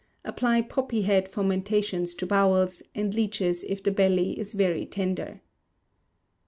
Apply poppy head fomentations to bowels, and leeches if the belly is very tender.